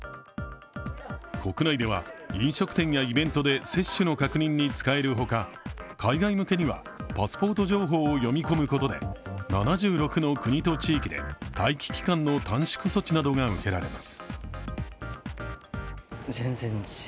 国内では飲食店やイベントで接種の確認に使える他、海外向けにはパスポート情報を読み込むことで７６の国と地域で待機期間の短縮措置などが受けられます。